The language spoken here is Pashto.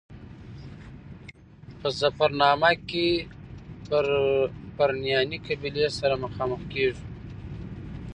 په ظفرنامه کې پرنیاني قبیلې سره مخامخ کېږو.